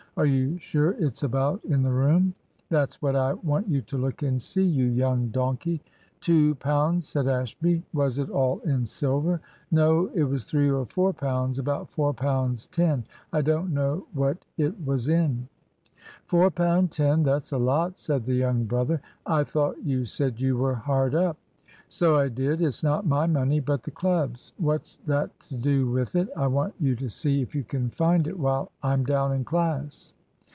"Are you sure it's about in the room?" "That's what I want you to look and see, you young donkey!" "Two pounds," said Ashby; "was it all in silver?" "No it was three or four pounds about £4 10. I don't know what it was in." "Four pound ten that's a lot," said the young brother. "I thought you said you were hard up?" "So I did. It's not my money, but the club's. What's that to do with it? I want you to see if you can find it while I'm down in class."